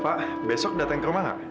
pak besok datang ke rumah nggak